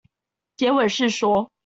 結尾是說